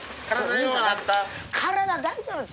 体大丈夫。